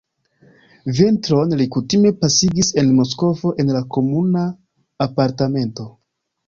Vintron li kutime pasigis en Moskvo, en la komuna apartamento.